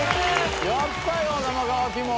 やったよ生乾木も。